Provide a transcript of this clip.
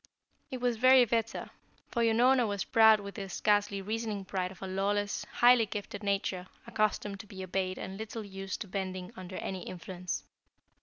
It was very bitter, for Unorna was proud with the scarcely reasoning pride of a lawless, highly gifted nature, accustomed to be obeyed and little used to bending under any influence.